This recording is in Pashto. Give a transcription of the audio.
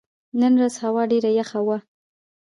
نن ورځ هوا ډېره یخه وه.